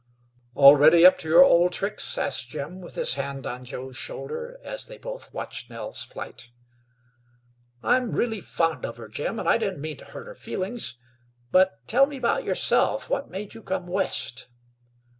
"Already up to your old tricks?" asked Jim, with his hand on Joe's shoulder, as they both watched Nell's flight. "I'm really fond of her, Jim, and didn't mean to hurt her feelings. But tell me about yourself; what made you come West?"